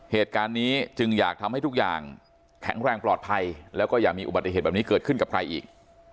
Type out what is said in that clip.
เหตุการณ์นี้จึงอยากทำให้ทุกอย่างแข็งแรงปลอดภัยแล้วก็อย่ามีอุบัติเหตุแบบนี้เกิดขึ้นกับใครอีก